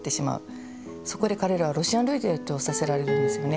そこで彼らはロシアン・ルーレットをさせられるんですよね。